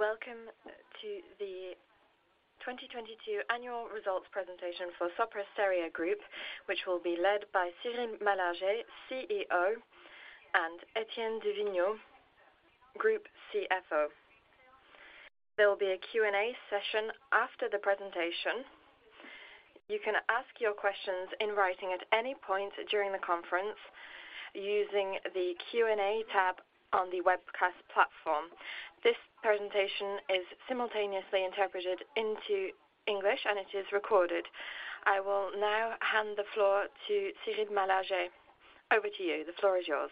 Welcome to the 2022 annual results presentation for Sopra Steria Group, which will be led by Cyril Malargé, CEO, and Etienne du Vignaux, Group CFO. There will be a Q&A session after the presentation. You can ask your questions in writing at any point during the conference using the Q&A tab on the webcast platform. This presentation is simultaneously interpreted into English. It is recorded. I will now hand the floor to Cyril Malargé. Over to you. The floor is yours.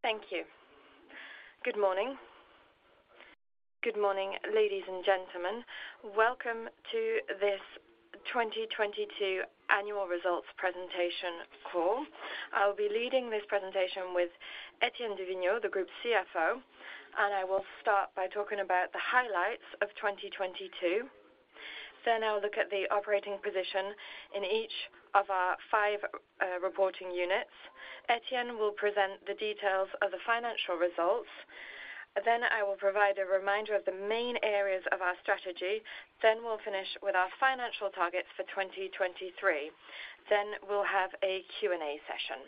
Thank you. Good morning. Good morning, ladies and gentlemen. Welcome to this 2022 annual results presentation call. I will be leading this presentation with Etienne du Vignaux, the Group CFO. I will start by talking about the highlights of 2022. I'll look at the operating position in each of our five reporting units. Etienne will present the details of the financial results. I will provide a reminder of the main areas of our strategy. We'll finish with our financial targets for 2023. We'll have a Q&A session.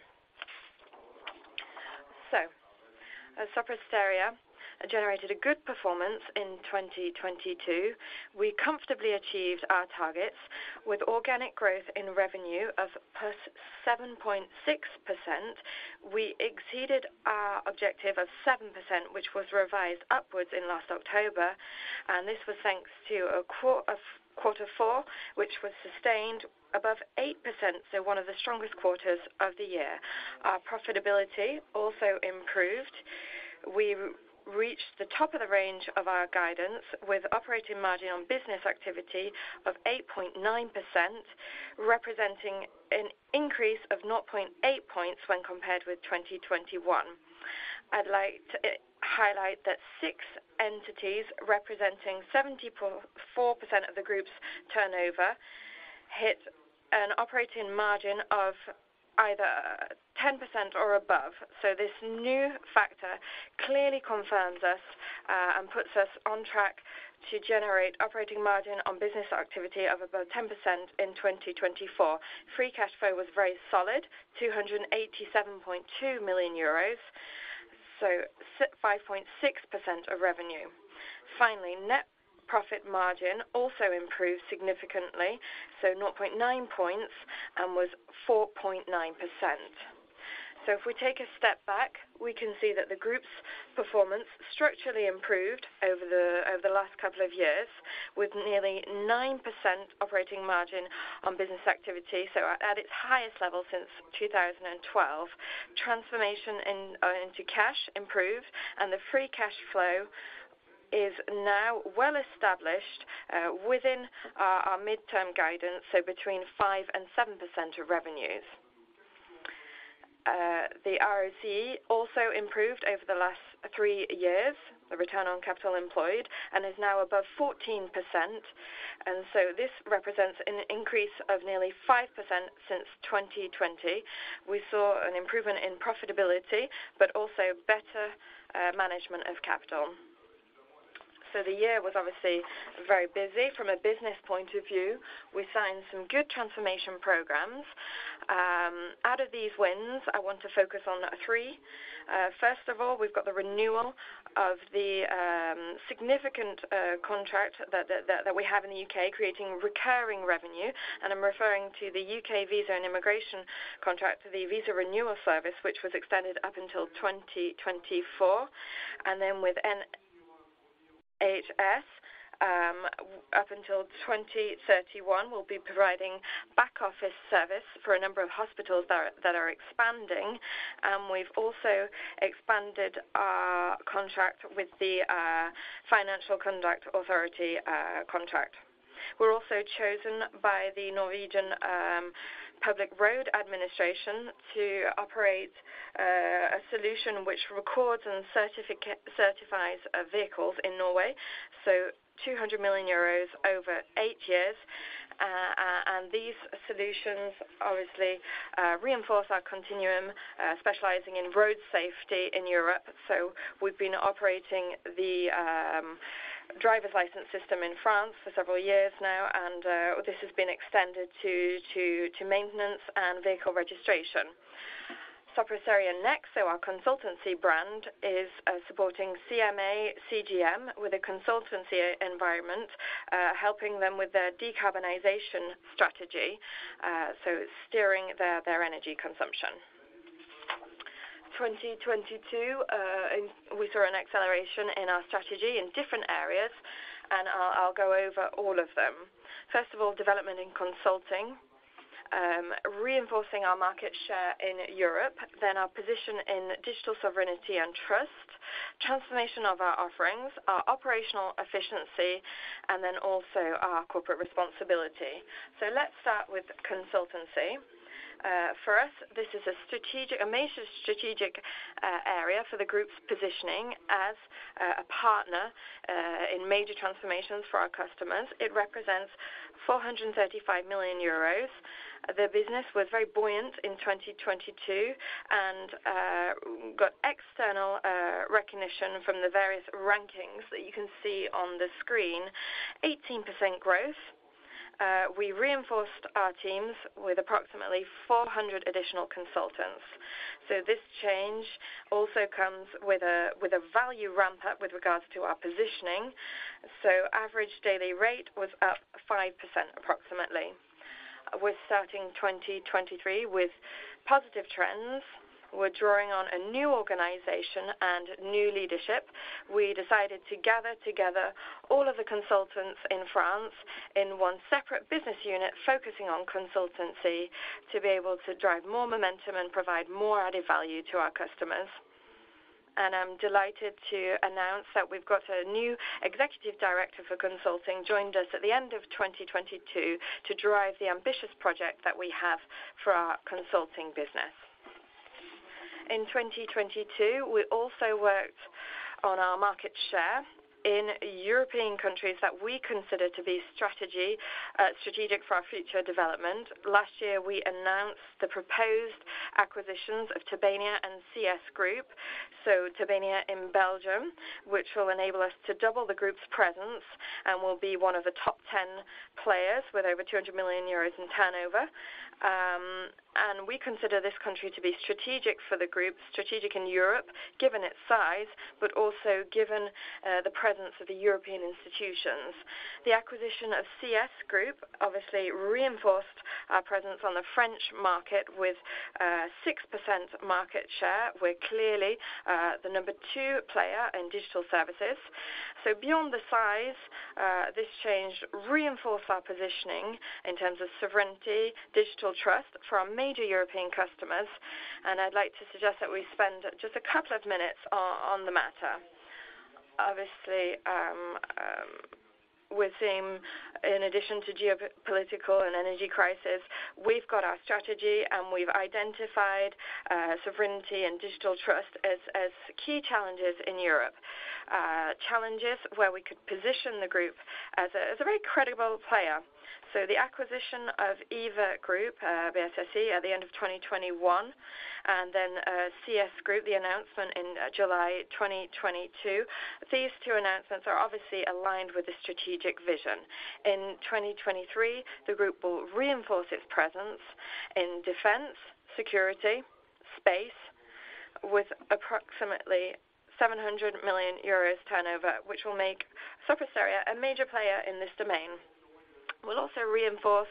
Sopra Steria generated a good performance in 2022. We comfortably achieved our targets with organic growth in revenue of per 7.6%. We exceeded our objective of 7%, which was revised upwards in last October. This was thanks to a quarter four, which was sustained above 8%, so one of the strongest quarters of the year. Our profitability also improved. We reached the top of the range of our guidance with operating margin on business activity of 8.9%, representing an increase of 0.8 points when compared with 2021. I'd like to highlight that six entities representing 74% of the group's turnover hit an operating margin of either 10% or above. This new factor clearly confirms us and puts us on track to generate operating margin on business activity of above 10% in 2024. Free cash flow was very solid, 287.2 million euros, 5.6% of revenue. Finally, net profit margin also improved significantly, 0.9 points and was 4.9%. If we take a step back, we can see that the group's performance structurally improved over the last couple of years with nearly 9% operating margin on business activity, at its highest level since 2012. Transformation into cash improved. The free cash flow is now well established within our midterm guidance, so between 5% and 7% of revenues. The ROZ also improved over the last three years, the Return on Capital Employed, and is now above 14%. This represents an increase of nearly 5% since 2020. We saw an improvement in profitability, but also better management of capital. The year was obviously very busy from a business point of view. We signed some good transformation programs. Out of these wins, I want to focus on three. First of all, we've got the renewal of the significant contract that we have in the U.K., creating recurring revenue. I'm referring to the U.K. Visas and Immigration contract for the visa renewal service, which was extended up until 2024. Then with NHS, up until 2031, we'll be providing back office service for a number of hospitals that are expanding. We've also expanded our contract with the Financial Conduct Authority contract. We're also chosen by the Norwegian Public Roads Administration to operate a solution which records and certifies vehicles in Norway, so 200 million euros over eight years. These solutions obviously reinforce our continuum, specializing in road safety in Europe. We've been operating the driver's license system in France for several years now, and this has been extended to maintenance and vehicle registration. Sopra Steria Next, so our consultancy brand, is supporting CMA CGM with a consultancy environment, helping them with their decarbonization strategy, so steering their energy consumption. 2022, we saw an acceleration in our strategy in different areas, and I'll go over all of them. First of all, development in consulting, reinforcing our market share in Europe, then our position in digital sovereignty and trust, transformation of our offerings, our operational efficiency, and then also our corporate responsibility. Let's start with consultancy. For us, this is a major strategic area for the group's positioning as a partner in major transformations for our customers. It represents 435 million euros. The business was very buoyant in 2022, got external recognition from the various rankings that you can see on the screen. 18% growth. We reinforced our teams with approximately 400 additional consultants. This change also comes with a value ramp up with regards to our positioning. Average daily rate was up 5% approximately. We're starting 2023 with positive trends. We're drawing on a new organization and new leadership. We decided to gather together all of the consultants in France in one separate business unit, focusing on consultancy to be able to drive more momentum and provide more added value to our customers. I'm delighted to announce that we've got a new executive director for consulting, joined us at the end of 2022 to drive the ambitious project that we have for our consulting business. In 2022, we also worked on our market share in European countries that we consider to be strategic for our future development. Last year, we announced the proposed acquisitions of Tobania and CS Group. Tobania in Belgium, which will enable us to double the group's presence and will be one of the top 10 players with over 200 million euros in turnover. And we consider this country to be strategic for the group, strategic in Europe, given its size, but also given the presence of the European institutions. The acquisition of CS Group obviously reinforced our presence on the French market with 6% market share. We're clearly the number two player in digital services. Beyond the size, this change reinforced our positioning in terms of sovereignty, digital trust from major European customers, and I'd like to suggest that we spend just a couple of minutes on the matter. Obviously, in addition to geopolitical and energy crisis, we've got our strategy, and we've identified sovereignty and digital trust as key challenges in Europe. Challenges where we could position the group as a very credible player. The acquisition of EVA Group, BSS, at the end of 2021 and then CS Group, the announcement in July 2022, these two announcements are obviously aligned with the strategic vision. In 2023, the group will reinforce its presence in defense, security, space with approximately 700 million euros turnover, which will make Sopra Steria a major player in this domain. We'll also reinforce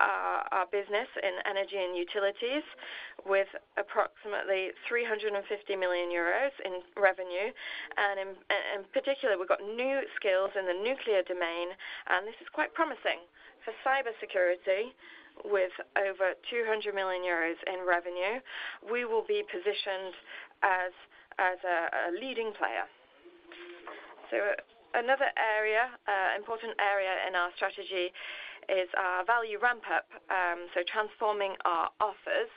our business in energy and utilities with approximately 350 million euros in revenue. In particular, we've got new skills in the nuclear domain, and this is quite promising. For cybersecurity, with over 200 million euros in revenue, we will be positioned as a leading player. Another area, important area in our strategy is our value ramp up, so transforming our offers,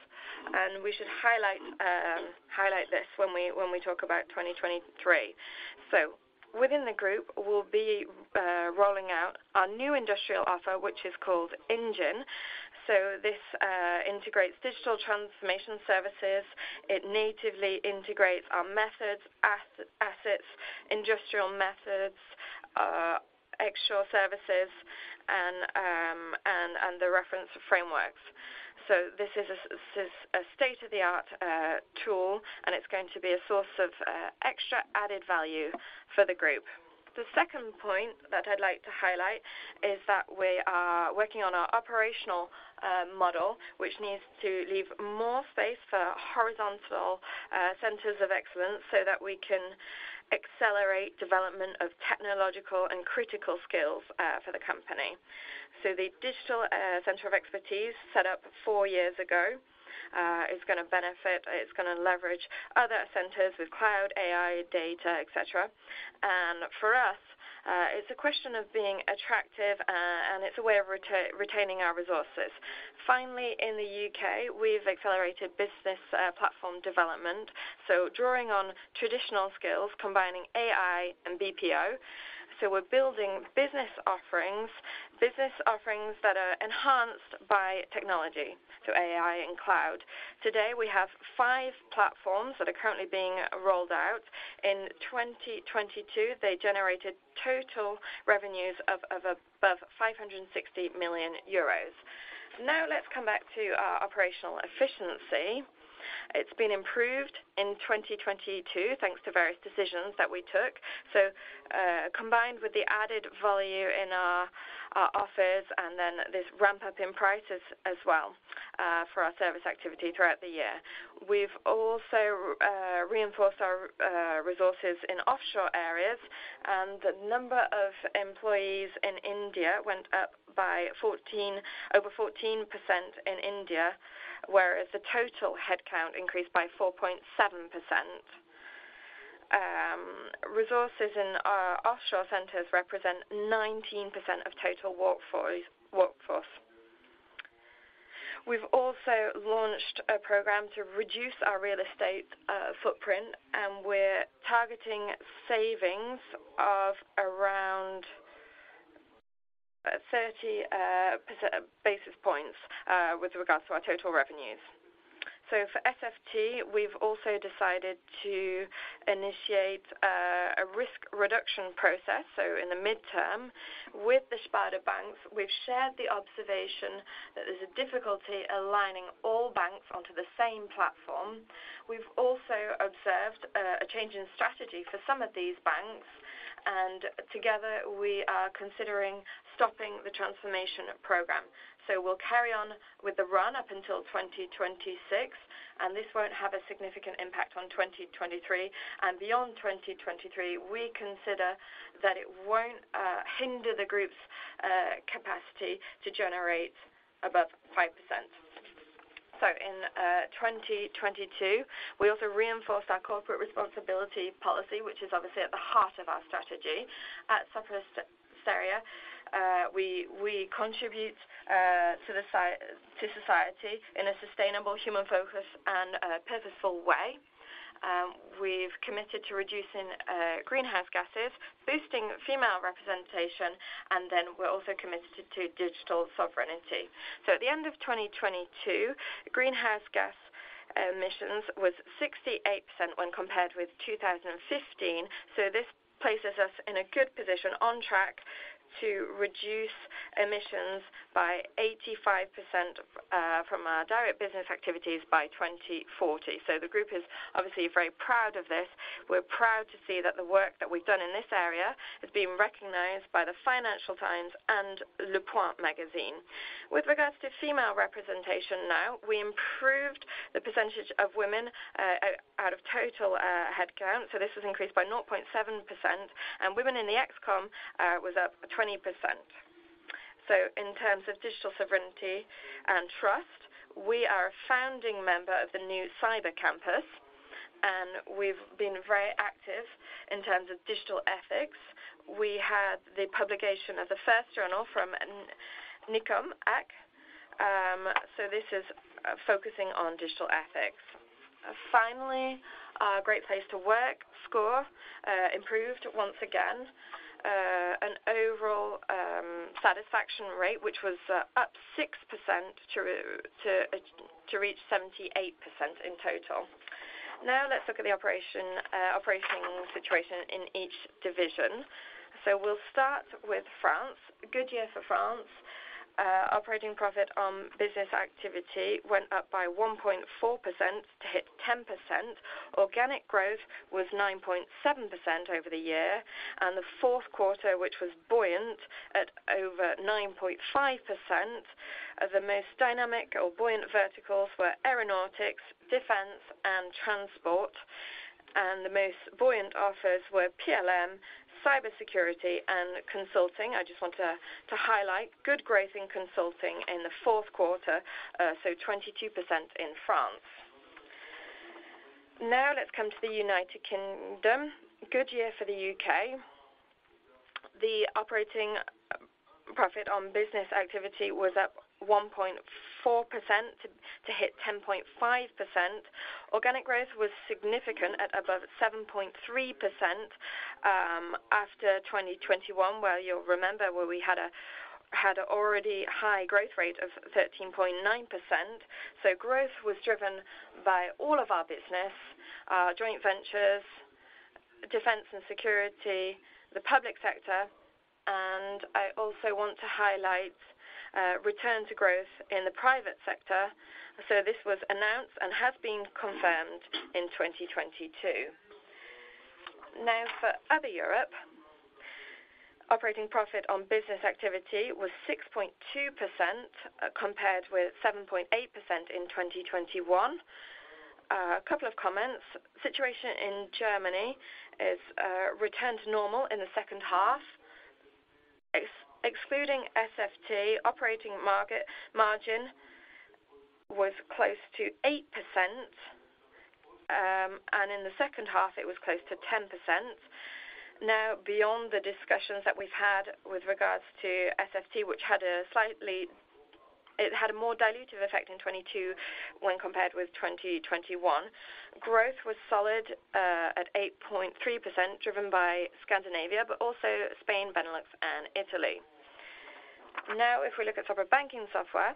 and we should highlight this when we talk about 2023. Within the group, we'll be rolling out our new industrial offer, which is called Engine. This integrates digital transformation services. It natively integrates our methods, as-assets, industrial methods, extra services and the reference frameworks. This is a state-of-the-art tool, and it's going to be a source of extra added value for the group. The second point that I'd like to highlight is that we are working on our operational model, which needs to leave more space for horizontal centers of excellence, so that we can accelerate development of technological and critical skills for the company. The digital center of expertise set up four years ago is gonna benefit. It's gonna leverage other centers with cloud, AI, data, et cetera. For us, it's a question of being attractive, and it's a way of retaining our resources. Finally, in the U.K., we've accelerated business platform development, so drawing on traditional skills, combining AI and BPO. We're building business offerings, business offerings that are enhanced by technology, AI and cloud. Today, we have five platforms that are currently being rolled out. In 2022, they generated total revenues of above 560 million euros. Let's come back to our operational efficiency. It's been improved in 2022, thanks to various decisions that we took. Combined with the added value in our offers and this ramp-up in prices as well, for our service activity throughout the year. We've also reinforced our resources in offshore areas, and the number of employees in India went up by over 14% in India, whereas the total headcount increased by 4.7%. Resources in our offshore centers represent 19% of total workforce. We've also launched a program to reduce our real estate footprint, and we're targeting savings of around 30 basis points with regards to our total revenues. For SFT, we've also decided to initiate a risk reduction process. In the midterm with the Sparda-Banken, we've shared the observation that there's a difficulty aligning all banks onto the same platform. We've also observed a change in strategy for some of these banks, and together we are considering stopping the transformation program. We'll carry on with the run up until 2026, and this won't have a significant impact on 2023. Beyond 2023, we consider that it won't hinder the group's capacity to generate above 5%. In 2022, we also reinforced our corporate responsibility policy, which is obviously at the heart of our strategy. At Sopra Steria, we contribute to society in a sustainable human focus and purposeful way. We've committed to reducing greenhouse gases, boosting female representation, we're also committed to digital sovereignty. At the en d of 2022, greenhouse gas emissions was 68% when compared with 2015. This places us in a good position on track to reduce emissions by 85% from our direct business activities by 2040. The group is obviously very proud of this. We're proud to see that the work that we've done in this area has been recognized by the Financial Times and Le Point magazine. With regards to female representation now, we improved the percentage of women, out of total headcount, this was increased by 0.7%, and women in the X.Comm was up 20%. In terms of digital sovereignty and trust, we are a founding member of the new Cyber Campus, and we've been very active in terms of digital ethics. We had the publication of the first journal from Nicomaque. This is focusing on digital ethics. Finally, our Great Place to Work score improved once again, an overall satisfaction rate, which was up 6% to reach 78% in total. Let's look at the operating situation in each division. We'll start with France. Good year for France. Operating profit on business activity went up by 1.4% to hit 10%. Organic growth was 9.7% over the year. The fourth quarter, which was buoyant at over 9.5% of the most dynamic or buoyant verticals, were aeronautics, defense, and transport. The most buoyant offers were PLM, cybersecurity, and consulting. I just want to highlight good growth in consulting in the fourth quarter, so 22% in France. Now let's come to the United Kingdom. Good year for the U.K. .The operating profit on business activity was up 1.4% to hit 10.5%. Organic growth was significant at above 7.3% after 2021, where you'll remember, where we had a already high growth rate of 13.9%. Growth was driven by all of our business, joint ventures, defense and security, the public sector. I also want to highlight return to growth in the private sector. This was announced and has been confirmed in 2022. For other Europe, operating profit on business activity was 6.2%, compared with 7.8% in 2021. A couple of comments. Situation in Germany is returned to normal in the second half. Excluding SFT, operating margin was close to 8%, and in the second half, it was close to 10%. Beyond the discussions that we've had with regards to SFT, it had a more dilutive effect in 2022 when compared with 2021. Growth was solid at 8.3%, driven by Scandinavia, but also Spain, Benelux, and Italy. If we look at Sopra Banking Software,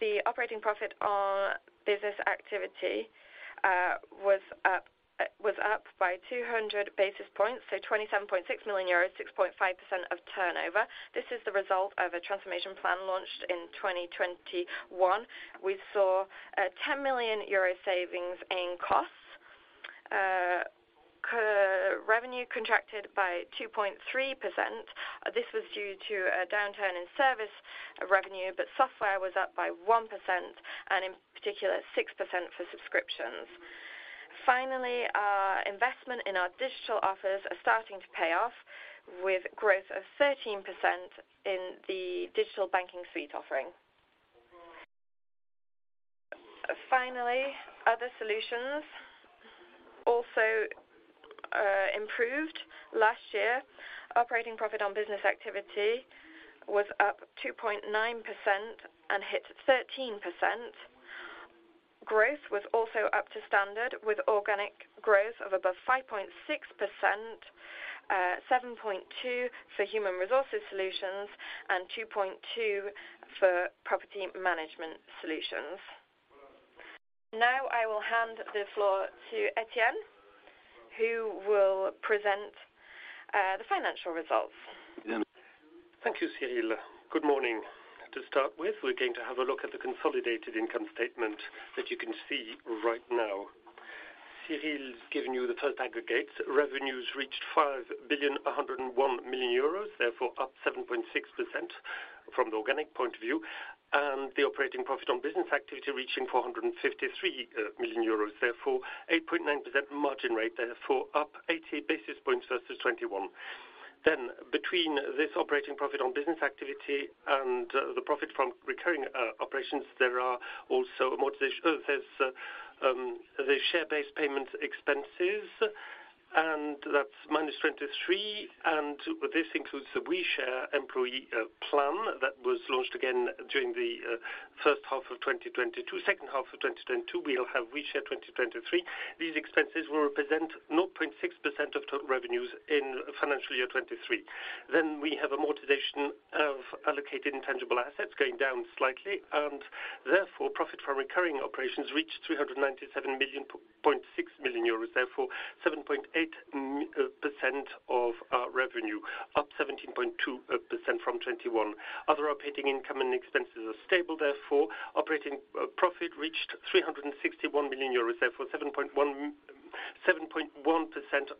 the operating profit on business activity was up by 200 basis points, 27.6 million euros, 6.5% of turnover. This is the result of a transformation plan launched in 2021. We saw a 10 million euro savings in costs. Revenue contracted by 2.3%. This was due to a downturn in service revenue, but software was up by 1% and in particular 6% for subscriptions. Our investment in our digital offers are starting to pay off with growth of 13% in the Digital Banking Suite offering. Other solutions also improved. Last year, operating profit on business activity was up 2.9% and hit 13%. Growth was also up to standard with organic growth of above 5.6%, 7.2% for human resources solutions and 2.2% for property management solutions. I will hand the floor to Etienne, who will present the financial results. Thank you, Cyril. Good morning. To start with, we're going to have a look at the consolidated income statement that you can see right now. Cyril's given you the first aggregates. Revenues reached 5.101 billion, therefore up 7.6% from the organic point of view, and the operating profit on business activity reaching 453 million euros, therefore 8.9% margin rate, therefore up 80 basis points versus 2021. Between this operating profit on business activity and the profit from recurring operations, there are also amortization, there's the share-based payment expenses, and that's -23 million. This includes the We Share employee plan that was launched again during the second half of 2022. We'll have We Share 2023. These expenses will represent 0.6% of total revenues in financial year 2023. We have amortization of allocated intangible assets going down slightly, therefore profit from recurring operations reached 397.6 million, therefore 7.8% of our revenue, up 17.2% from 2021. Other operating income and expenses are stable, therefore operating profit reached 361 million euros, therefore 7.1%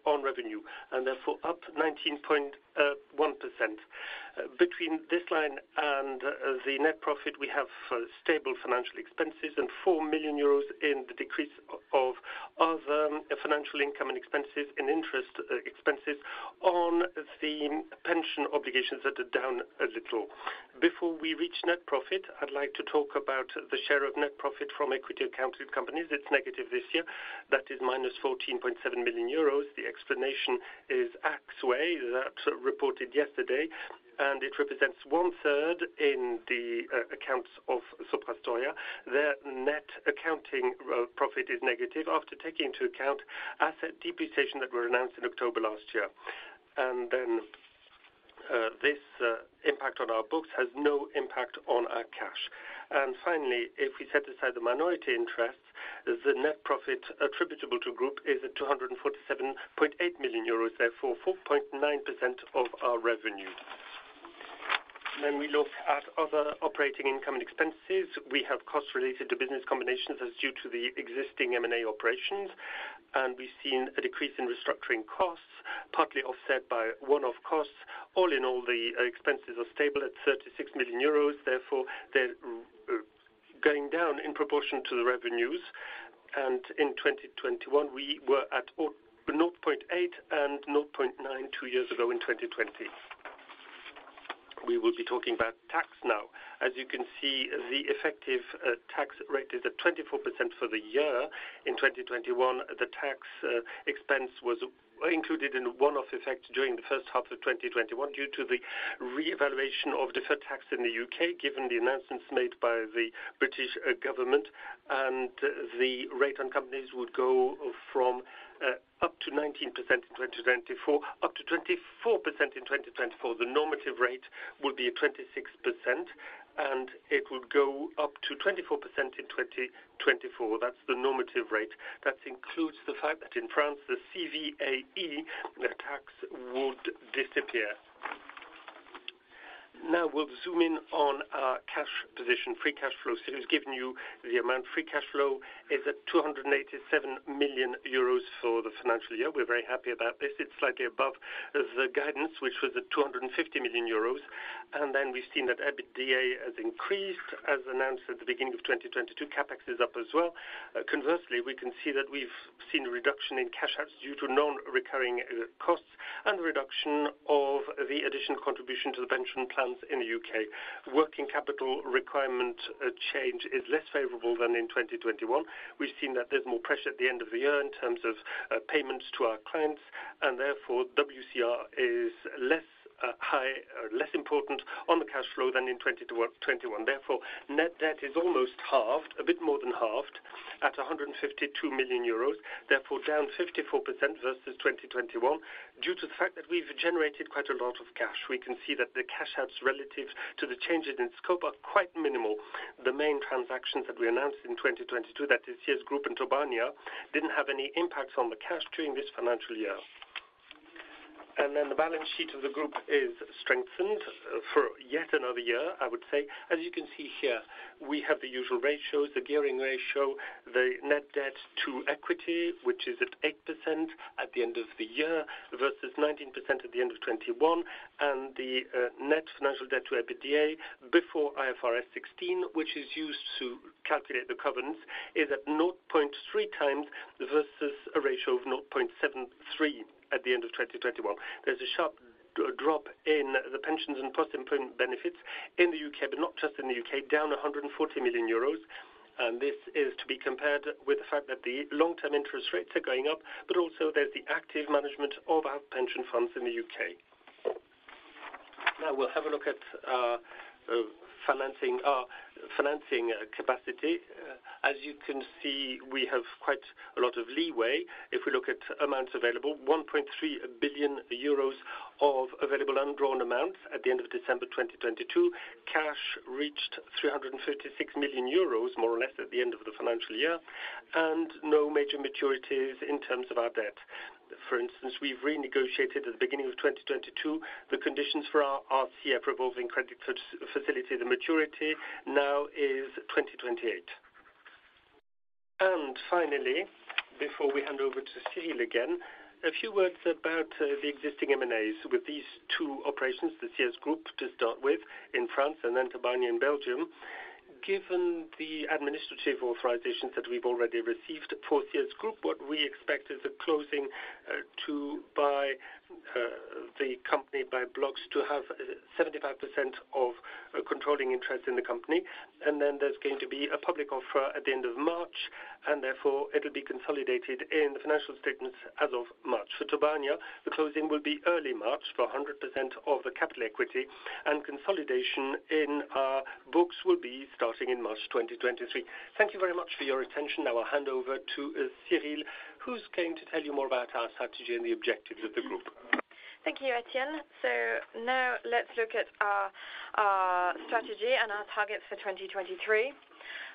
on revenue, therefore up 19.1%. Between this line and the net profit, we have stable financial expenses and 4 million euros in the decrease of other financial income and expenses and interest expenses on the pension obligations that are down a little. Before we reach net profit, I'd like to talk about the share of net profit from equity accounted companies. It's negative this year. That is -14.7 million euros. The explanation is Axway that reported yesterday, it represents 1/3 in the accounts of Sopra Steria. Their net accounting profit is negative after taking into account asset depreciation that were announced in October last year. This impact on our books has no impact on our cash. Finally, if we set aside the minority interest, the net profit attributable to group is at 247.8 million euros, therefore 4.9% of our revenue. We look at other operating income and expenses. We have costs related to business combinations as due to the existing M&A operations, and we've seen a decrease in restructuring costs, partly offset by one-off costs. All in all, the expenses are stable at 36 million euros. Therefore, they're going down in proportion to the revenues. In 2021, we were at 0.8 and 0.9 two years ago in 2020. We will be talking about tax now. As you can see, the effective tax rate is at 24% for the year. In 2021, the tax expense was included in one-off effect during the first half of 2021 due to the reevaluation of deferred tax in the U.K., given the announcements made by the British government. The rate on companies would go from up to 19% in 2024, up to 24% in 2024. The normative rate would be 26%. It would go up to 24% in 2024. That's the normative rate. That includes the fact that in France, the CVAE, the tax would disappear. Now we'll zoom in on our cash position, free cash flow. Cyril's given you the amount. Free cash flow is at 287 million euros for the financial year. We're very happy about this. It's slightly above the guidance, which was at 250 million euros. We've seen that EBITDA has increased as announced at the beginning of 2022. CapEx is up as well. Conversely, we can see that we've seen a reduction in cash outs due to non-recurring costs and reduction of the additional contribution to the pension plans in the U.K. Working capital requirement change is less favorable than in 2021. We've seen that there's more pressure at the end of the year in terms of payments to our clients. WCR is less high or less important on the cash flow than in 2021. Net debt is almost halved, a bit more than halved at 152 million euros, down 54% versus 2021 due to the fact that we've generated quite a lot of cash. We can see that the cash outs relative to the changes in scope are quite minimal. The main transactions that we announced in 2022, that is CS Group and Tobania, didn't have any impact on the cash during this financial year. The balance sheet of the group is strengthened for yet another year, I would say. As you can see here, we have the usual ratios, the gearing ratio, the net debt to equity, which is at 8% at the end of the year versus 19% at the end of 2021. The net financial debt to EBITDA before IFRS 16, which is used to calculate the covenants, is at 0.3x versus a ratio of 0.73 at the end of 2021. There's a sharp drop in the pensions and post-employment benefits in the U.K., but not just in the U.K., down 140 million euros. This is to be compared with the fact that the long-term interest rates are going up, but also there's the active management of our pension funds in the U.K. Now we'll have a look at financing our financing capacity. As you can see, we have quite a lot of leeway. If we look at amounts available, 1.3 billion euros of available undrawn amounts at the end of December 2022. Cash reached 336 million euros, more or less, at the end of the financial year. No major maturities in terms of our debt. For instance, we've renegotiated at the beginning of 2022 the conditions for our RCF revolving credit facility. The maturity now is 2028. Finally, before we hand over to Cyril again, a few words about the existing M&As. With these two operations, the CS Group to start with in France and then Tobania in Belgium. Given the administrative authorizations that we've already received for CS Group, what we expect is a closing to by the company by blocks to have 75% of controlling interest in the company. There's going to be a public offer at the end of March, and therefore it'll be consolidated in the financial statements as of March. For Tobania, the closing will be early March for 100% of the capital equity, and consolidation in our books will be starting in March 2023. Thank you very much for your attention. I will hand over to Cyril, who's going to tell you more about our strategy and the objectives of the group. Thank you, Etienne. Now let's look at our strategy and our targets for 2023.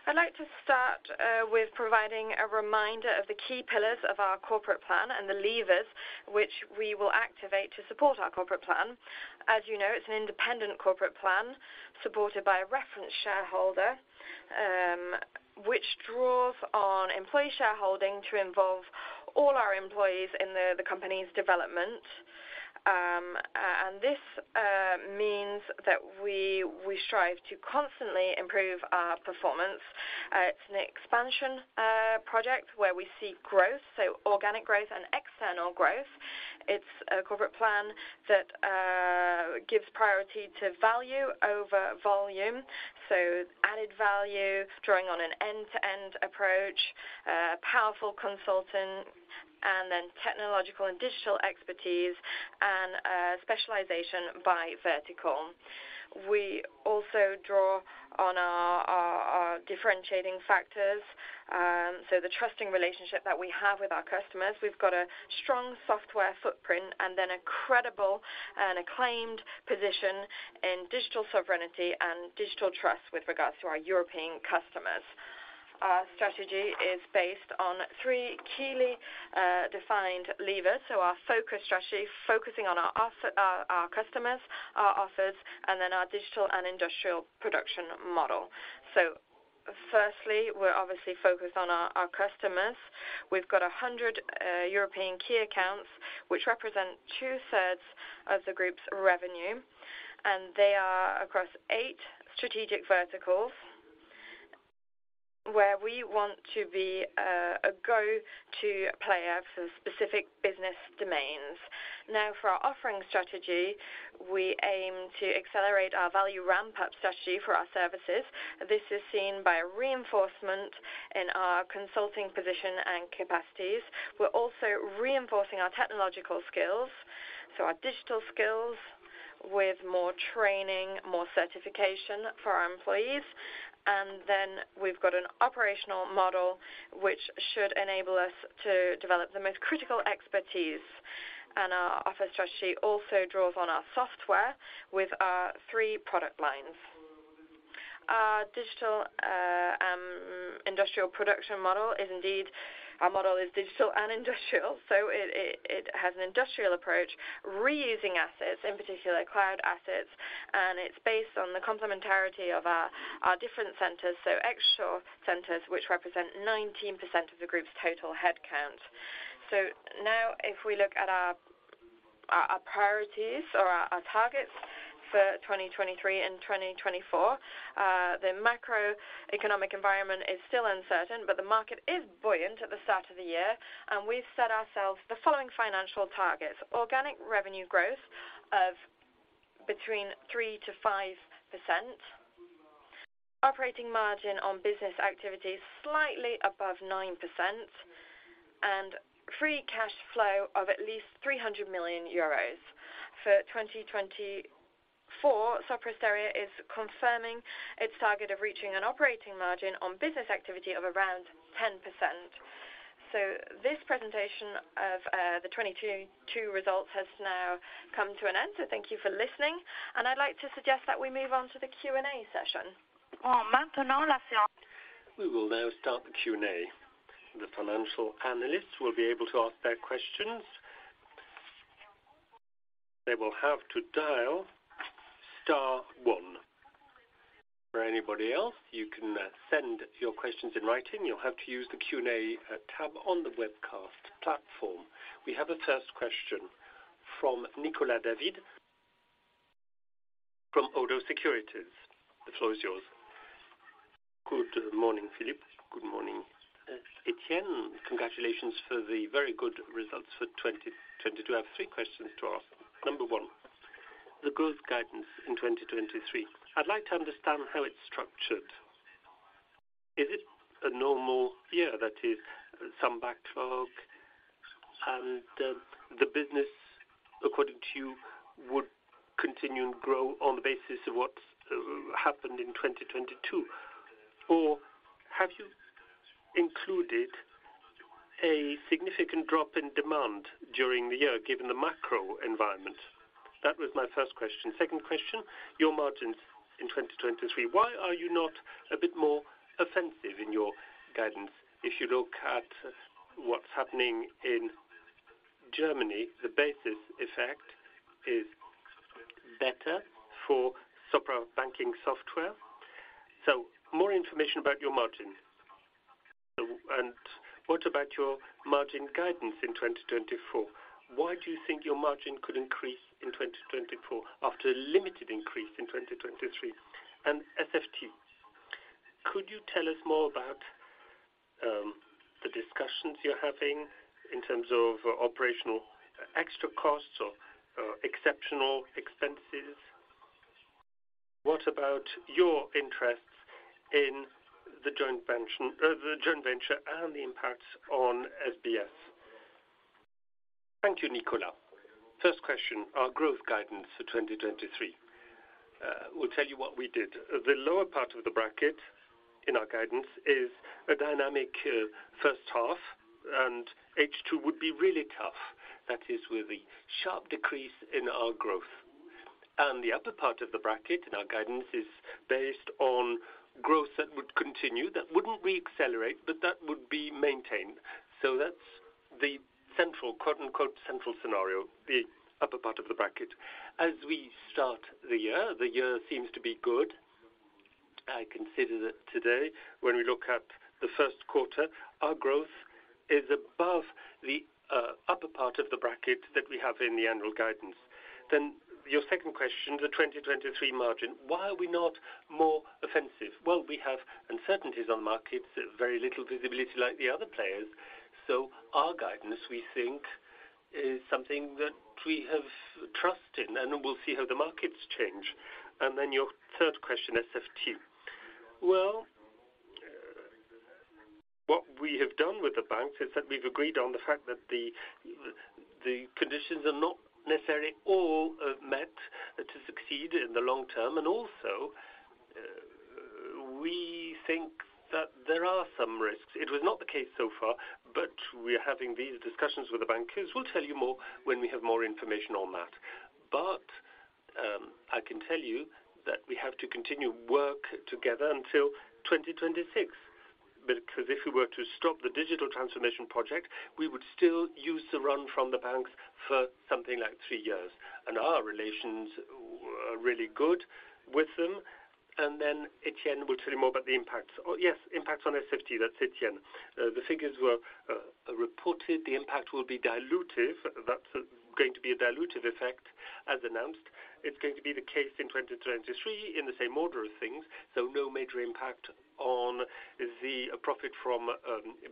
I'd like to start with providing a reminder of the key pillars of our corporate plan and the levers which we will activate to support our corporate plan. As you know, it's an independent corporate plan supported by a reference shareholder, which draws on employee shareholding to involve all our employees in the company's development. This means that we strive to constantly improve our performance. It's an expansion project where we see growth, so organic growth and external growth. It's a corporate plan that gives priority to value over volume, so added value, drawing on an end-to-end approach, powerful consulting and then technological and digital expertise and specialization by vertical. We also draw on our differentiating factors, so the trusting relationship that we have with our customers. We've got a strong software footprint and an incredible and acclaimed position in digital sovereignty and digital trust with regards to our European customers. Our strategy is based on three key defined levers. Our focus strategy, focusing on our customers, our offers, and then our digital and industrial production model. Firstly, we're obviously focused on our customers. We've got 100 European key accounts, which represent 2/3 of the group's revenue, and they are across eight strategic verticals where we want to be a go-to player for specific business domains. For our offering strategy, we aim to accelerate our value ramp-up strategy for our services. This is seen by a reinforcement in our consulting position and capacities. We're also reinforcing our technological skills, so our digital skills, with more training, more certification for our employees. We've got an operational model which should enable us to develop the most critical expertise. Our offer strategy also draws on our software with our three product lines. Our digital industrial production model is indeed, our model is digital and industrial, so it has an industrial approach, reusing assets, in particular acquired assets, and it's based on the complementarity of our different centers, so offshore centers, which represent 19% of the group's total headcount. If we look at our priorities or our targets for 2023 and 2024, the macroeconomic environment is still uncertain, but the market is buoyant at the start of the year. We've set ourselves the following financial targets: organic revenue growth of between 3%-5%, operating margin on business activities slightly above 9%, and free cash flow of at least 300 million euros. For 2024, Sopra Steria is confirming its target of reaching an operating margin on business activity of around 10%. This presentation of the 2022 results has now come to an end. Thank you for listening. I'd like to suggest that we move on to the Q&A session. We will now start the Q&A. The financial analysts will be able to ask their questions. They will have to dial star one. For anybody else, you can send your questions in writing. You'll have to use the Q&A tab on the webcast platform. We have a first question from Nicolas David, from ODDO Securities. The floor is yours. Good morning, Philippe. Good morning, Etienne. Congratulations for the very good results for 2022. I have three questions to ask. Number 1, the growth guidance in 2023. I'd like to understand how it's structured. Is it a normal year that is some backlog and the business according to you would continue and grow on the basis of what happened in 2022? Have you included a significant drop in demand during the year given the macro environment? That was my first question. Second question, your margins in 2023. Why are you not a bit more offensive in your guidance? If you look at what's happening in Germany, the basis effect is better for Sopra Banking Software. More information about your margin. What about your margin guidance in 2024? Why do you think your margin could increase in 2024 after a limited increase in 2023? SFT, could you tell us more about the discussions you're having in terms of operational extra costs or exceptional expenses? What about your interests in the joint venture and the impact on SBS? Thank you, Nicolas. First question, our growth guidance for 2023. We'll tell you what we did. The lower part of the bracket in our guidance is a dynamic first half, and H2 would be really tough. That is with a sharp decrease in our growth. The upper part of the bracket in our guidance is based on growth that would continue. That wouldn't re-accelerate, but that would be maintained. That's the central, quote-unquote, central scenario, the upper part of the bracket. As we start the year, the year seems to be good. I consider that today when we look at the first quarter, our growth is above the upper part of the bracket that we have in the annual guidance. Your second question, the 2023 margin. Why are we not more offensive? Well, we have uncertainties on markets, very little visibility like the other players. Our guidance, we think, is something that we have trust in, and we'll see how the markets change. Your third question, SFT. Well, what we have done with the banks is that we've agreed on the fact that the conditions are not necessarily all met to succeed in the long term. Also, we think that there are some risks. It was not the case so far, but we're having these discussions with the bankers. We'll tell you more when we have more information on that. I can tell you that we have to continue work together until 2026. If we were to stop the digital transformation project, we would still use the run from the banks for something like three years. Our relations are really good with them. Then Etienne will tell you more about the impacts. Oh, yes, impacts on SFT. That's Etienne. The figures were reported. The impact will be dilutive. That's going to be a dilutive effect as announced. It's going to be the case in 2023 in the same order of things. No major impact on the profit from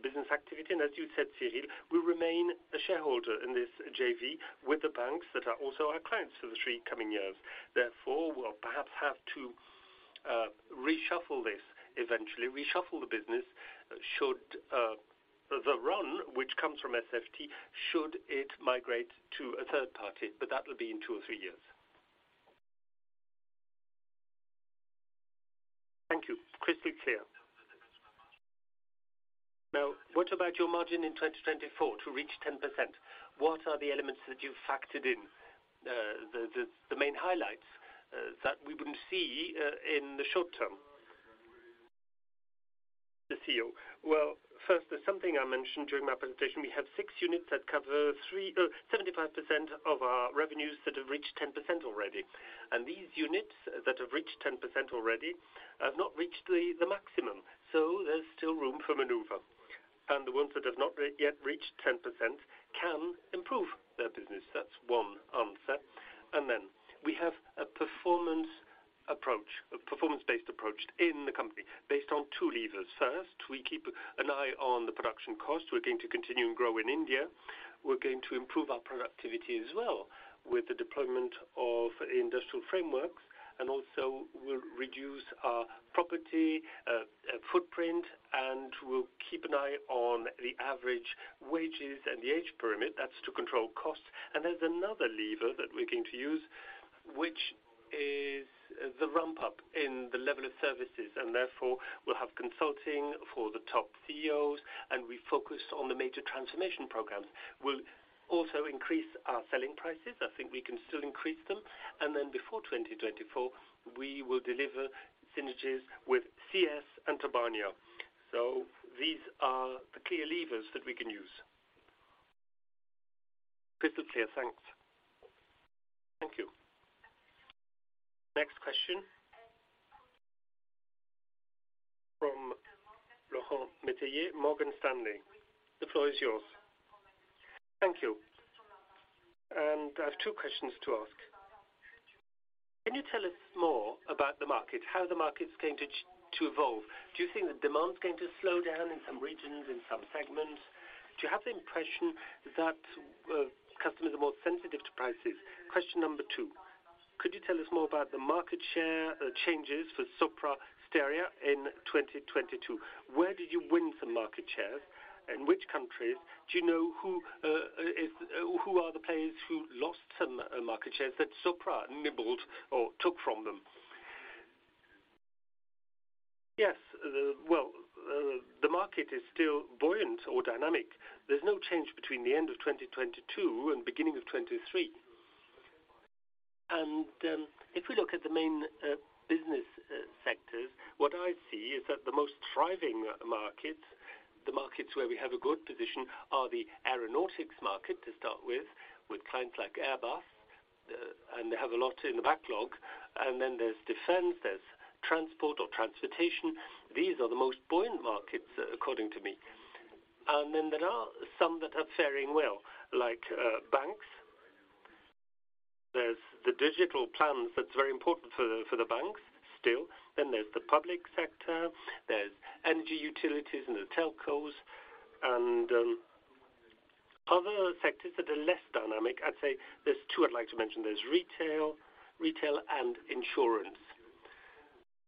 business activity. As you said, Cyril, we remain a shareholder in this JV with the banks that are also our clients for the three coming years. Therefore, we'll perhaps have to reshuffle this eventually, reshuffle the business should the run which comes from SFT, should it migrate to a third party, but that will be in two or three years. Thank you. Crystal clear. Now, what about your margin in 2024 to reach 10%? What are the elements that you've factored in, the main highlights that we wouldn't see in the short term? The CEO. Well, first, there's something I mentioned during my presentation. We have six units that cover 75% of our revenues that have reached 10% already. These units that have reached 10% already have not reached the maximum. There's still room for maneuver. The ones that have not yet reached 10% can improve their business. That's one answer. We have a performance approach, a performance-based approach in the company based on two levers. First, we keep an eye on the production cost. We're going to continue and grow in India. We're going to improve our productivity as well with the deployment of industrial frameworks, and also we'll reduce our property footprint, and we'll keep an eye on the average wages and the age pyramid. That's to control costs. There's another lever that we're going to use, which is the ramp-up in the level of services. Therefore, we'll have consulting for the top CEOs, and we focus on the major transformation programs. We'll also increase our selling prices. I think we can still increase them. Before 2024, we will deliver synergies with CS and Tobania. These are the clear levers that we can use. Crystal clear. Thanks. Thank you. Next question from Laura Metayer, Morgan Stanley. The floor is yours. Thank you. I have two questions to ask. Can you tell us more about the market, how the market's going to evolve? Do you think the demand is going to slow down in some regions, in some segments? Do you have the impression that customers are more sensitive to prices? Question number two. Could you tell us more about the market share changes for Sopra Steria in 2022? Where did you win some market shares? In which countries? Do you know who are the players who lost some market shares that Sopra nibbled or took from them? Yes. Well, the market is still buoyant or dynamic. There's no change between the end of 2022 and beginning of 2023. If we look at the main business sectors, what I see is that the most thriving markets, the markets where we have a good position are the aeronautics market to start with clients like Airbus, and they have a lot in the backlog. Then there's defense, there's transport or transportation. These are the most buoyant markets according to me. Then there are some that are fairing well, like banks. There's the digital plans that's very important for the, for the banks still. There's the public sector, there's energy utilities, and the telcos. Other sectors that are less dynamic, I'd say there's two I'd like to mention. There's retail, and insurance.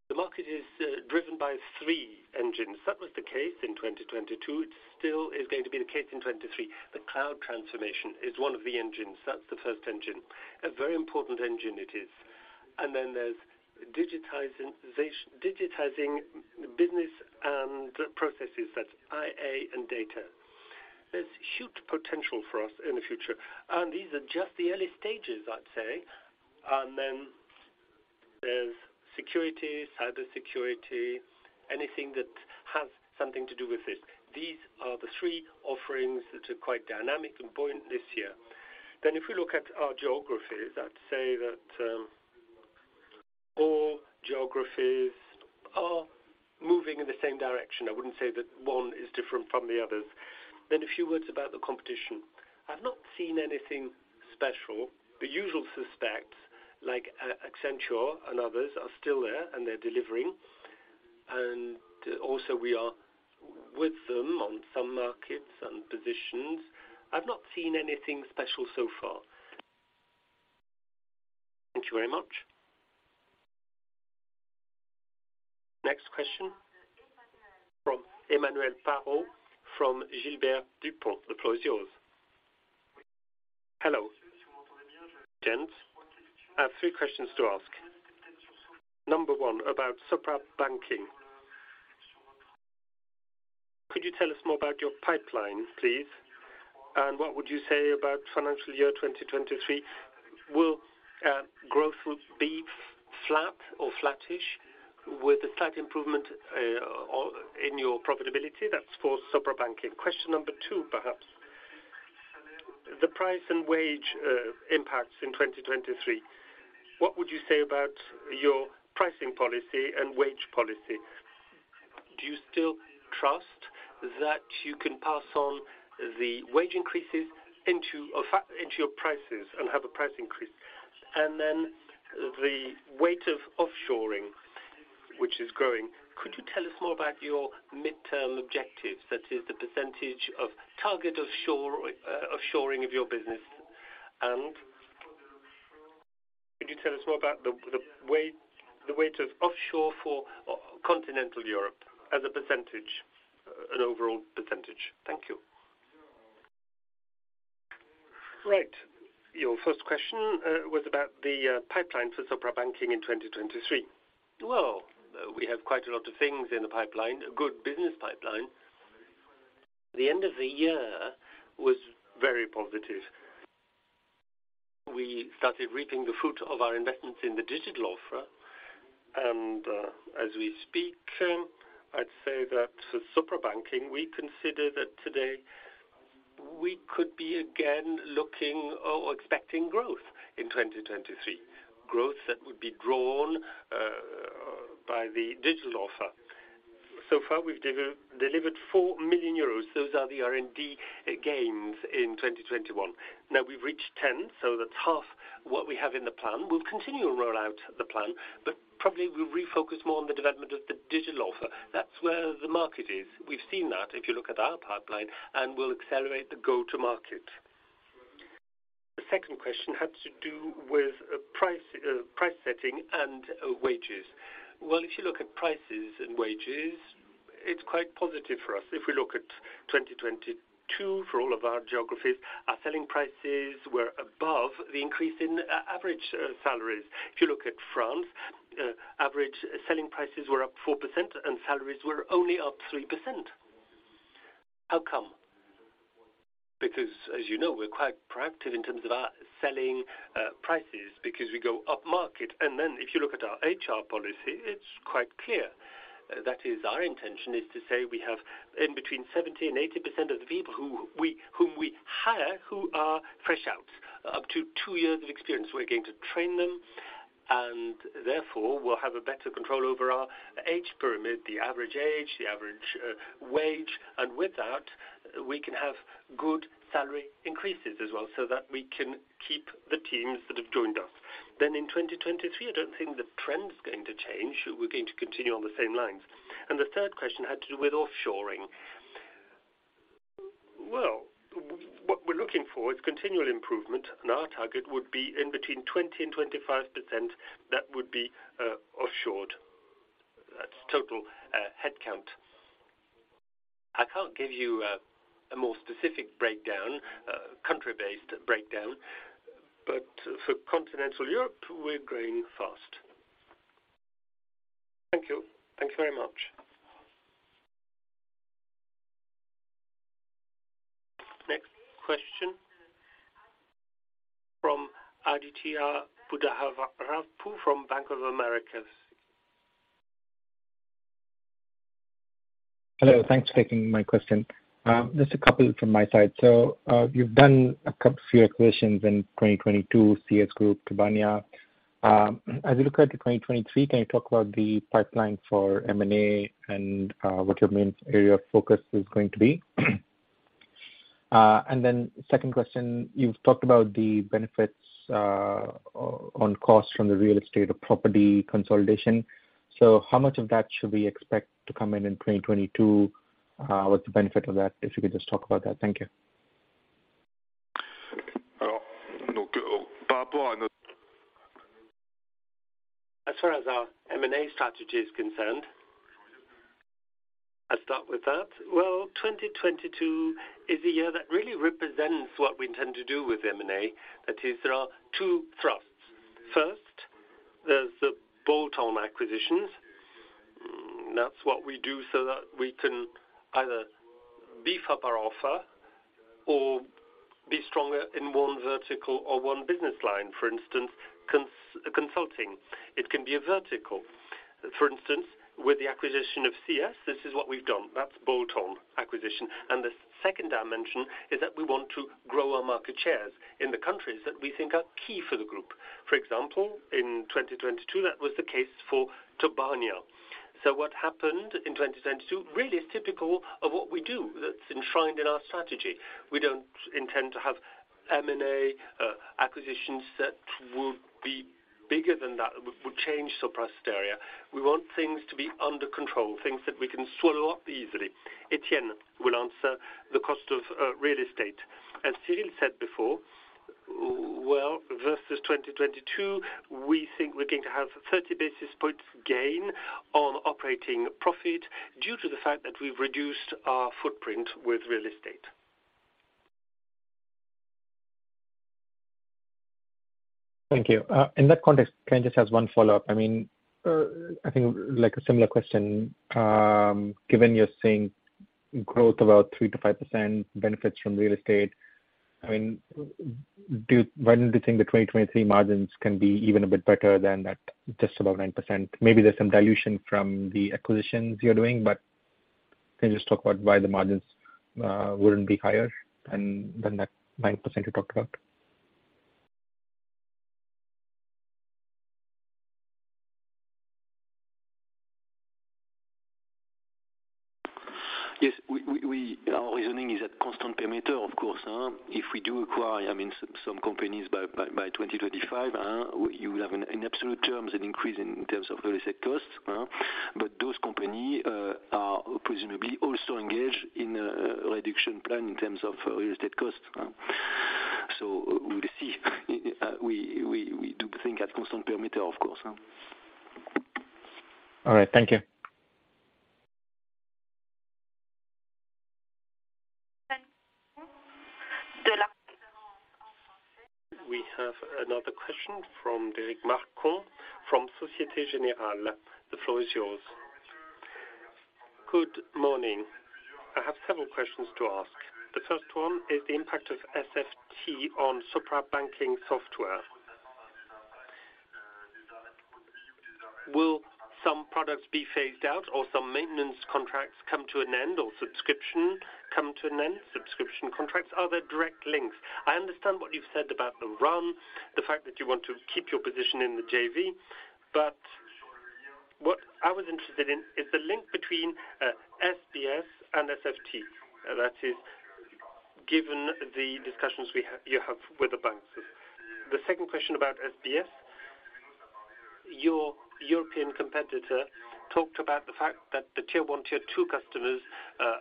The market is driven by three engines. That was the case in 2022. It still is going to be the case in 2023. The cloud transformation is one of the engines. That's the first engine. A very important engine it is. There's digitizing business and processes. That's AI and data. There's huge potential for us in the future, and these are just the early stages, I'd say. There's security, cyber security, anything that has something to do with it. These are the three offerings that are quite dynamic and buoyant this year. If we look at our geographies, I'd say that all geographies are moving in the same direction. I wouldn't say that one is different from the others. A few words about the competition. I've not seen anything special. The usual suspects like Accenture and others are still there, and they're delivering. Also we are with them on some markets and positions. I've not seen anything special so far. Thank you very much. Next question from Emmanuel Parot from Gilbert Dupont. The floor is yours. Hello, gents. I have three questions to ask. Number one, about Sopra Banking. Could you tell us more about your pipeline, please? What would you say about financial year 2023? Will growth will be flat or flattish with a slight improvement or in your profitability? That's for Sopra Banking. Question number two, perhaps. The price and wage impacts in 2023, what would you say about your pricing policy and wage policy? Do you still trust that you can pass on the wage increases into your prices and have a price increase? The weight of offshoring, which is growing. Could you tell us more about your midterm objectives? That is the percentage of target offshore, offshoring of your business. Could you tell us more about the weight of offshore for continental Europe as a percentage, an overall percentage? Thank you. Right. Your first question was about the pipeline for Sopra Banking in 2023. Well, we have quite a lot of things in the pipeline, a good business pipeline. The end of the year was very positive. We started reaping the fruit of our investments in the digital offer. As we speak, I'd say that for Sopra Banking, we consider that today we could be again looking or expecting growth in 2023. Growth that would be drawn by the digital offer. So far we've delivered 4 million euros. Those are the R&D gains in 2021. Now we've reached 10, so that's 1/2 what we have in the plan. We'll continue to roll out the plan, but probably we'll refocus more on the development of the digital offer. That's where the market is. We've seen that if you look at our pipeline, and we'll accelerate the go to market. The second question had to do with price setting and wages. If you look at prices and wages, it's quite positive for us. If we look at 2022 for all of our geographies, our selling prices were above the increase in average salaries. If you look at France, average selling prices were up 4% and salaries were only up 3%. How come? As you know, we're quite proactive in terms of our selling prices because we go upmarket. If you look at our HR policy, it's quite clear. That is our intention is to say we have in between 70%-80% of the people whom we hire, who are fresh outs, up to two years of experience. We're going to train them, therefore we'll have a better control over our age pyramid, the average age, the average wage. With that, we can have good salary increases as well, so that we can keep the teams that have joined us. In 2023, I don't think the trend's going to change. We're going to continue on the same lines. The third question had to do with offshoring. Well, what we're looking for is continual improvement, and our target would be in between 20% and 25% that would be offshored. That's total headcount. I can't give you a more specific breakdown, country-based breakdown. For continental Europe, we're growing fast. Thank you. Thank you very much. Next question from Aditya Buddhavarapu from Bank of America. Hello. Thanks for taking my question. Just a couple from my side. You've done a few acquisitions in 2022, CS Group, Tobania. As we look ahead to 2023, can you talk about the pipeline for M&A and what your main area of focus is going to be? Second question, you've talked about the benefits on cost from the real estate or property consolidation. How much of that should we expect to come in 2022? What's the benefit of that? If you could just talk about that. Thank you. Look, Buddavarapu. As far as our M&A strategy is concerned, I'll start with that. Well, 2022 is a year that really represents what we intend to do with M&A. That is, there are two thrusts. First, there's the bolt-on acquisitions. That's what we do so that we can either beef up our offer or be stronger in one vertical or one business line, for instance, consulting. It can be a vertical. For instance, with the acquisition of CS, this is what we've done. That's bolt-on acquisition. The second dimension is that we want to grow our market shares in the countries that we think are key for the group. For example, in 2022, that was the case for Tobania. What happened in 2022 really is typical of what we do that's enshrined in our strategy. We don't intend to have M&A acquisitions that would be bigger than that, would change Sopra Steria. We want things to be under control, things that we can swallow up easily. Etienne will answer the cost of real estate. As Cyril said before, well, versus 2022, we think we're going to have 30 basis points gain on operating profit due to the fact that we've reduced our footprint with real estate. Thank you. In that context, can I just ask one follow-up? I mean, I think like a similar question. Given you're seeing growth about 3%-5% benefits from real estate, I mean, why don't you think the 2023 margins can be even a bit better than that, just about 9%? Maybe there's some dilution from the acquisitions you're doing, but can you just talk about why the margins wouldn't be higher than that 9% you talked about? Yes. Our reasoning is at constant perimeter, of course. If we do acquire, I mean, some companies by 2025, we, you have in absolute terms an increase in terms of real estate costs. Those company are presumably also engaged in a reduction plan in terms of real estate costs. We'll see. We do think at constant perimeter, of course. All right. Thank you. We have another question from Derric Marcon from Societe Generale. The floor is yours. Good morning. I have several questions to ask. The first one is the impact of SFT on Sopra Banking Software. Will some products be phased out or some maintenance contracts come to an end or subscription come to an end, subscription contracts? Are there direct links? I understand what you've said about the run, the fact that you want to keep your position in the JV. What I was interested in is the link between SBS and SFT. That is, given the discussions you have with the banks. The second question about SBS. Your European competitor talked about the fact that the tier 1, tier 2 customers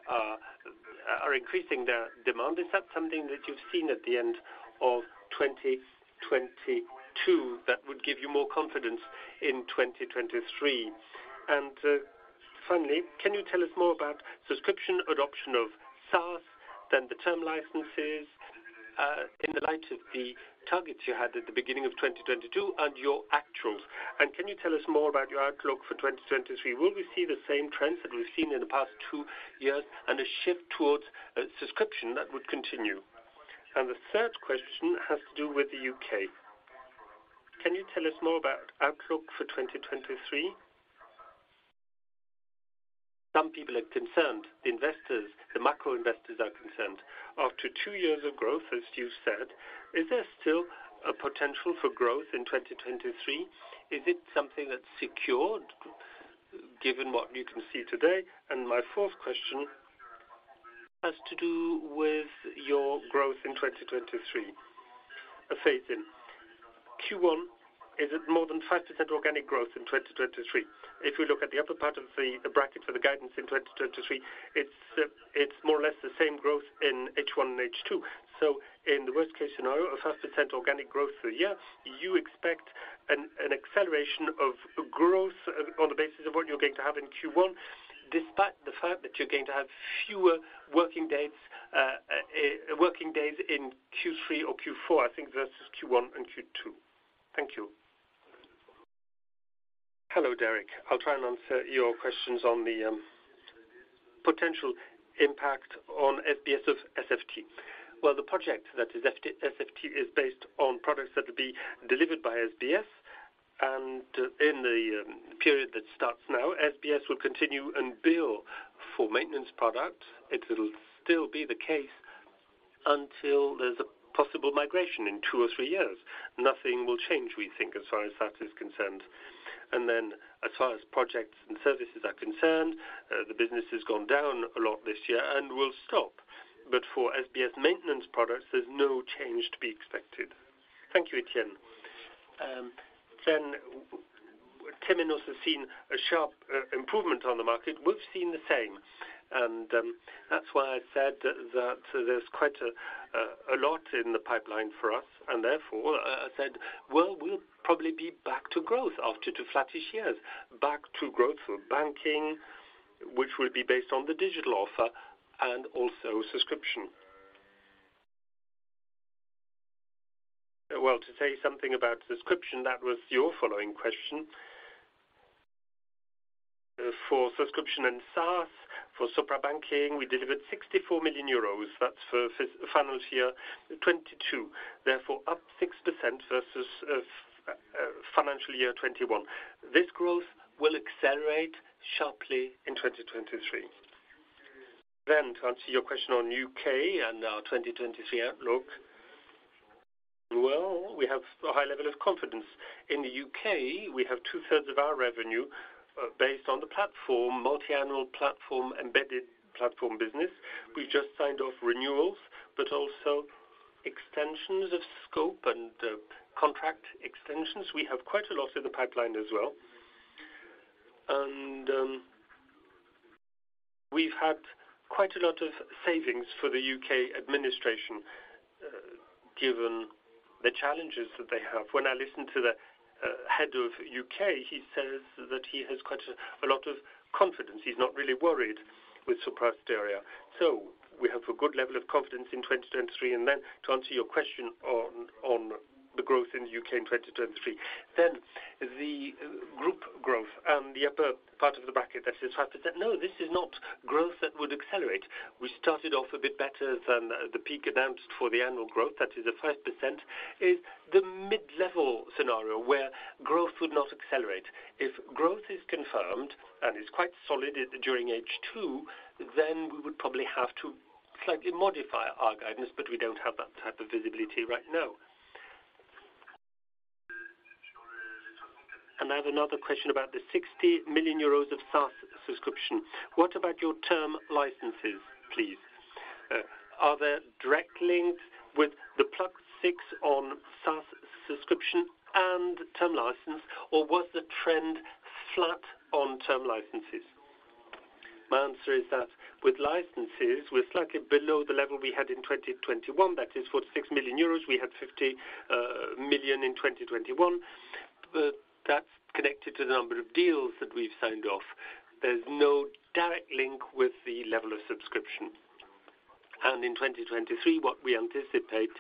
are increasing their demand. Is that something that you've seen at the end of 2022 that would give you more confidence in 2023? Finally, can you tell us more about subscription adoption of SaaS than the term licenses in the light of the targets you had at the beginning of 2022 and your actuals. Can you tell us more about your outlook for 2023? Will we see the same trends that we've seen in the past two years and a shift towards a subscription that would continue? The third question has to do with the U.K.. Can you tell us more about outlook for 2023? Some people are concerned. The investors, the macro investors are concerned. After two years of growth, as you said, is there still a potential for growth in 2023? Is it something that's secured given what you can see today? My fourth question has to do with your growth in 2023. Q1 is at more than 5% organic growth in 2023. If we look at the upper part of the bracket for the guidance in 2023, it's more or less the same growth in H1 and H2. In the worst case scenario of 0.5% organic growth through a year, you expect an acceleration of growth on the basis of what you're going to have in Q1, despite the fact that you're going to have fewer working days in Q3 or Q4, I think versus Q1 and Q2. Thank you. Hello, Derric. I'll try and answer your questions on the potential impact on SBS of SFT. The project that is SFT is based on products that will be delivered by SBS. In the period that starts now, SBS will continue and bill for maintenance products. It'll still be the case until there's a possible migration in two or three years. Nothing will change, we think, as far as that is concerned. Then as far as projects and services are concerned, the business has gone down a lot this year and will stop. For SBS maintenance products, there's no change to be expected. Thank you, Etienne. Then Temenos has seen a sharp improvement on the market. We've seen the same. That's why I said that there's quite a lot in the pipeline for us and therefore, said, well, we'll probably be back to growth after two flattish years. Back to growth for banking, which will be based on the digital offer and also subscription. Well, to tell you something about subscription, that was your following question. For subscription and SaaS, for Sopra Banking, we delivered 64 million euros. That's for financial year 2022, therefore up 6% versus financial year 2021. To answer your question on U.K. and our 2023 outlook. Well, we have a high level of confidence. In the U.K., we have two-thirds of our revenue based on the platform, multi-annual platform, embedded platform business. We just signed off renewals, but also extensions of scope and contract extensions. We have quite a lot in the pipeline as well. We've had quite a lot of savings for the U.K. administration given the challenges that they have. When I listen to the head of U.K., He says that he has quite a lot of confidence. He's not really worried with Sopra Steria. We have a good level of confidence in 2023. To answer your question on the growth in U.K. in 2023. The group growth and the upper part of the bracket, that is 5%. No, this is not growth that would accelerate. We started off a bit better than the peak announced for the annual growth. That is the 5%, is the mid-level scenario where growth would not accelerate. If growth is confirmed and is quite solid during H2, then we would probably have to slightly modify our guidance, but we don't have that type of visibility right now. I have another question about the 60 million euros of SaaS subscription. What about your term licenses, please? Are there direct links with the plug six on SaaS subscription and term license, or was the trend flat on term licenses? My answer is that with licenses, we're slightly below the level we had in 2021. That is for 6 million euros. We had 50 million in 2021. That's connected to the number of deals that we've signed off. There's no direct link with the level of subscription. In 2023, what we anticipate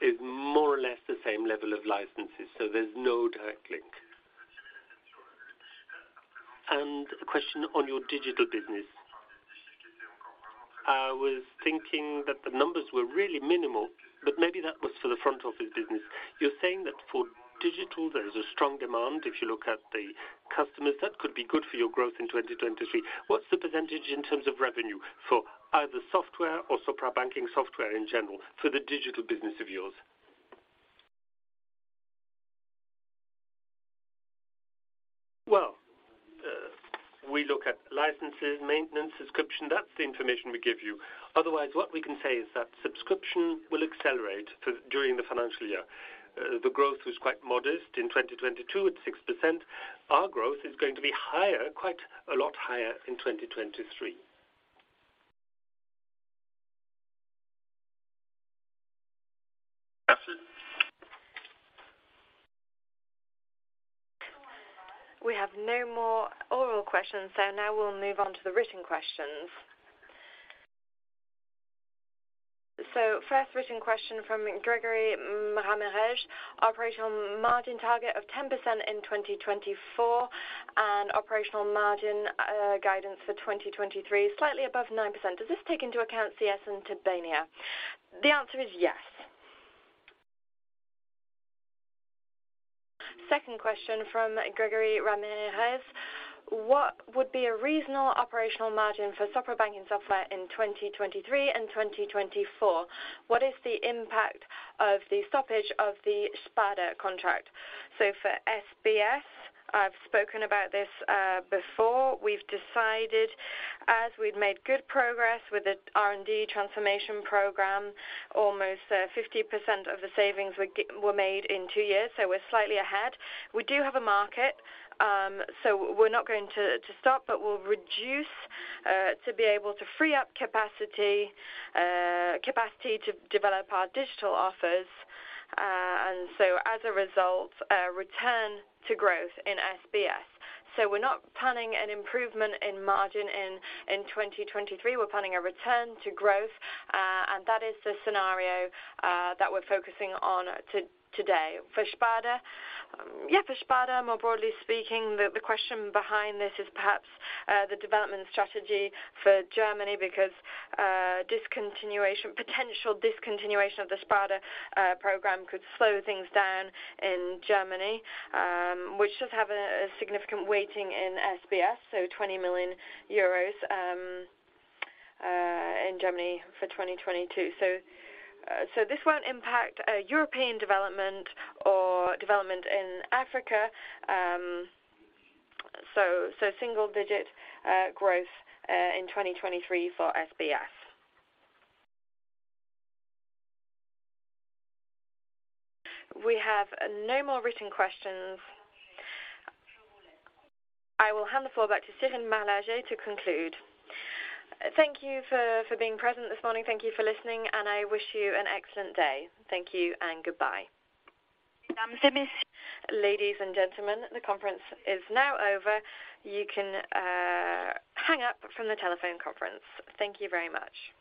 is more or less the same level of licenses. There's no direct link. A question on your digital business. I was thinking that the numbers were really minimal, but maybe that was for the front office business. You're saying that for digital, there is a strong demand if you look at the customers. That could be good for your growth in 2023. What's the percentage in terms of revenue for either software or Sopra Banking Software in general for the digital business of yours? Well, we look at licenses, maintenance, subscription. That's the information we give you. Otherwise, what we can say is that subscription will accelerate during the financial year. The growth was quite modest in 2022 at 6%. Our growth is going to be higher, quite a lot higher in 2023. We have no more oral questions, now we'll move on to the written questions. First written question from Gregory Ramirez. Operational margin target of 10% in 2024 and operational margin guidance for 2023, slightly above 9%. Does this take into account CS and Tobania? The answer is yes. Second question from Gregory Ramirez. What would be a reasonable operational margin for Sopra Banking Software in 2023 and 2024? What is the impact of the stoppage of the Sparda contract? For SBS, I've spoken about this before. We've decided, as we've made good progress with the R&D transformation program, almost 50% of the savings were made in two years, we're slightly ahead. We do have a market, we're not going to stop, but we'll reduce to be able to free up capacity to develop our digital offers, and as a result, a return to growth in SBS. We're not planning an improvement in margin in 2023. We're planning a return to growth, and that is the scenario that we're focusing on today. For Spada? Yeah, for Spada, more broadly speaking, the question behind this is perhaps the development strategy for Germany because potential discontinuation of the Spada program could slow things down in Germany, which does have a significant weighting in SBS, 20 million euros in Germany for 2022. This won't impact European development or development in Africa. Single digit growth in 2023 for SBS. We have no more written questions. I will hand the floor back to Stéphane Lelux to conclude. Thank you for being present this morning. Thank you for listening. I wish you an excellent day. Thank you and goodbye. Ladies and gentlemen, the conference is now over. You can hang up from the telephone conference. Thank you very much.